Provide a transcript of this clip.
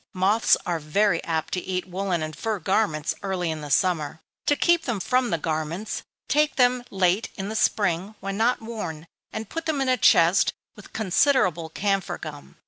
_ Moths are very apt to eat woollen and fur garments early in the summer. To keep them from the garments, take them late in the spring, when not worn, and put them in a chest, with considerable camphor gum.